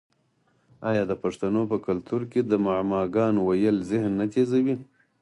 آیا د پښتنو په کلتور کې د معما ګانو ویل ذهن نه تیزوي؟